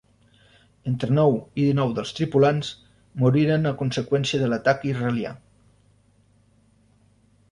Entre nou i dinou dels tripulants moriren a conseqüència de l'atac israelià.